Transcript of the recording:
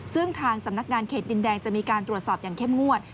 ซึ่งทางสำนักงานเขตดินแดงจะมีการตรวจสอบอย่างเข้มงวด